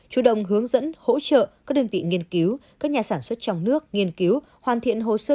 chủ động hướng dẫn hỗ trợ các đơn vị nghiên cứu các nhà sản xuất trong nước nghiên cứu hoàn thiện hồ sơ